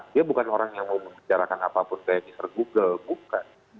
dia bukan orang yang mau membicarakan apapun kayak mr google bukan